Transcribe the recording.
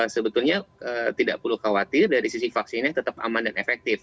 sebetulnya tidak perlu khawatir dari sisi vaksinnya tetap aman dan efektif